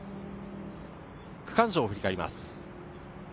区間賞を振り返ります。